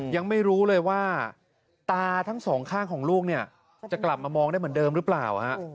ยังไม่รู้เลยว่าตาทั้งสองข้างของลูกเนี่ยจะกลับมามองได้เหมือนเดิมหรือเปล่า